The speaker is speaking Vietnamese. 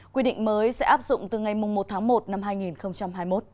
quy định mới sẽ áp dụng từ ngày một tháng một năm hai nghìn hai mươi một